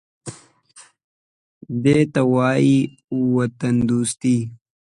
_دې ته وايي وطندوستي.